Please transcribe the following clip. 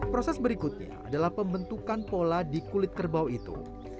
proses berikutnya adalah pembentukan pola di kulit kerbau itu